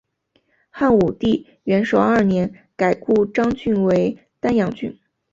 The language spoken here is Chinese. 汉武帝元狩二年改故鄣郡为丹阳郡。